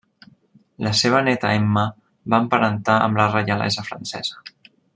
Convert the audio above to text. La seva néta Emma va emparentar amb la reialesa francesa.